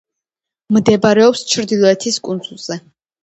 მდებარეობს ჩრდილოეთის კუნძულზე.